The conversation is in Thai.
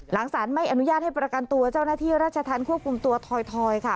สารไม่อนุญาตให้ประกันตัวเจ้าหน้าที่ราชธรรมควบคุมตัวถอยค่ะ